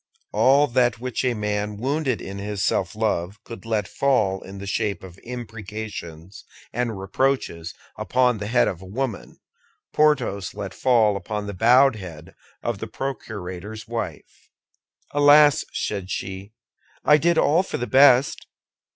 All that which a man wounded in his self love could let fall in the shape of imprecations and reproaches upon the head of a woman Porthos let fall upon the bowed head of the procurator's wife. "Alas," said she, "I did all for the best!